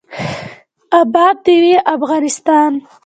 اباد دې وي افغانستان.